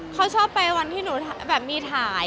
เขาชอบไปวันที่หนูแบบมีถ่าย